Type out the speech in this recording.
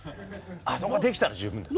あそこできたら十分です。